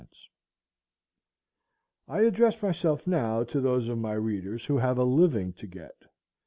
99¾ I address myself now to those of my readers who have a living to get.